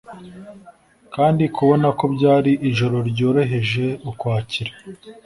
Kandi kubona ko byari ijoro ryoroheje Ukwakira,